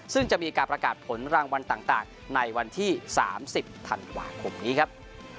ซึ่งจะมีการประกาศผลรางวัลต่างในวันที่๓๐ธันวาคมนี้ครับ